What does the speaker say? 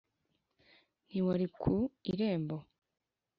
ntiwari ku irembo